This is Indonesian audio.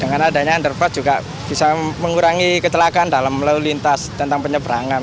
dengan adanya underpass juga bisa mengurangi kecelakaan dalam lalu lintas tentang penyeberangan